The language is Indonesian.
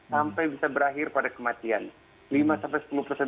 sampai bisa berakhir pada kematian